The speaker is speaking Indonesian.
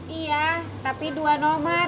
iya tapi dua nomor